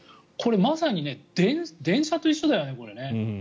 これ、まさに電車と一緒だよね。